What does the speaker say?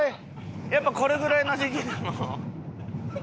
やっぱこれぐらいの時期でも。